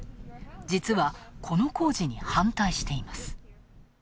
実はこの工事に反対しています。